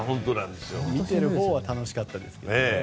見てるほうは楽しかったですけどね。